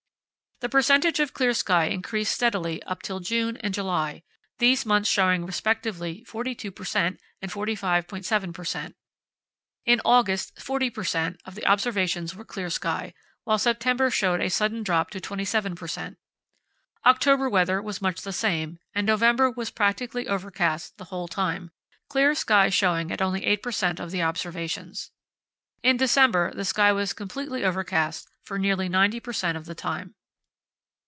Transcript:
The percentage of clear sky increased steadily up till June and July, these months showing respectively 42 per cent. and 45.7 per cent. In August 40 per cent. of the observations were clear sky, while September showed a sudden drop to 27 per cent. October weather was much the same, and November was practically overcast the whole time, clear sky showing at only 8 per cent. of the observations. In December the sky was completely overcast for nearly 90 per cent. of the time.